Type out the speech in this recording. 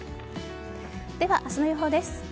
では、明日の予報です。